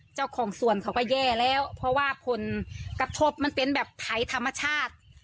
เจ้าของสวนเขาก็แย่แล้วเพราะว่าผลกระทบมันเป็นแบบไทยธรรมชาติ